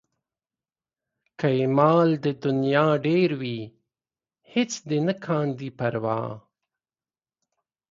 که یې مال د نيا ډېر وي هېڅ دې نه کاندي پروا